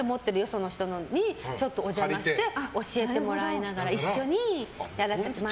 その人にちょっとお邪魔して教えてもらいながら一緒にやらせてもらって。